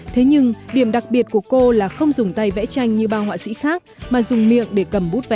thế nhưng điểm đặc biệt của cô là không dùng tay vẽ tranh như ba họa sĩ khác mà dùng miệng để cầm bút vẽ